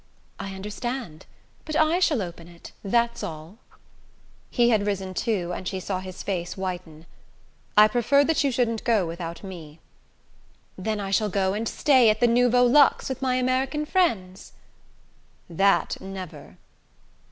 "I understand. But I shall open it that's all!" He had risen too, and she saw his face whiten. "I prefer that you shouldn't go without me." "Then I shall go and stay at the Nouveau Luxe with my American friends." "That never!"